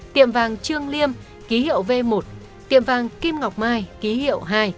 tiệm vàng trương liêm ký hiệu v một tiệm vàng kim ngọc mai ký hiệu hai